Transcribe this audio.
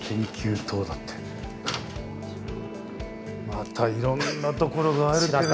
またいろんなところがあるけれども。